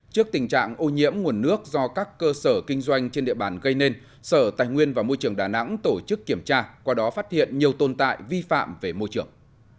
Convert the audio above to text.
trước tình trạng ô nhiễm nguồn nước do các cơ sở kinh doanh trên địa bàn gây nên sở tài nguyên và môi trường đà nẵng tổ chức kiểm tra qua đó phát hiện nhiều tồn tại vi phạm về môi trường